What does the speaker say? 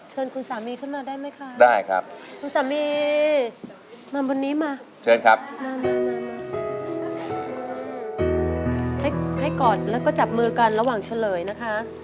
ให้ก่อนแล้วก็จับมือกันระหว่างเฉลยนะคะ